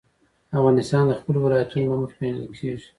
افغانستان د خپلو ولایتونو له مخې پېژندل کېږي.